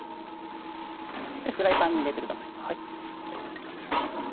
フライパンに入れてください。